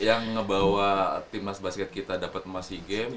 yang ngebawa timnas basket kita dapet emas si games